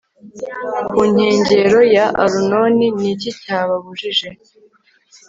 ku nkengero ya arunoni ni iki cyababujije